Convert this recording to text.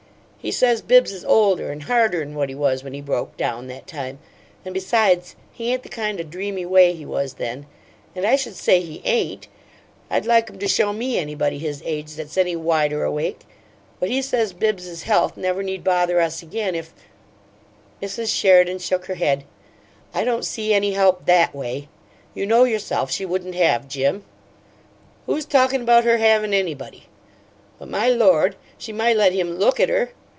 "He says Bibbs is older and harder'n what he was when he broke down that time, and besides, he ain't the kind o' dreamy way he was then and I should say he AIN'T! I'd like 'em to show ME anybody his age that's any wider awake! But he says Bibbs's health never need bother us again if " Mrs. Sheridan shook her head. "I don't see any help THAT way. You know yourself she wouldn't have Jim." "Who's talkin' about her havin' anybody? But, my Lord! she might let him LOOK at her!